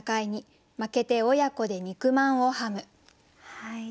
はい。